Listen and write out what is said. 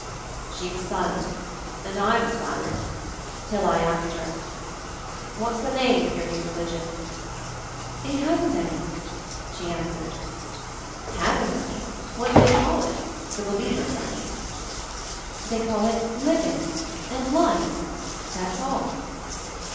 She was silent and I was silent ; till I asked her "What's the name of your new religion?" "It hasn't any," she answered. "Hasn't any? What do they call it? the Believers, I mean?" "They call it 'Living' and 'Life'— that's all."